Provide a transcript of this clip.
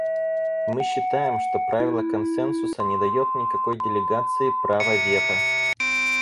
Мы считаем, что правило консенсуса не дает никакой делегации права вето.